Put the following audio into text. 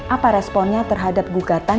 apa responnya terhadap gugatan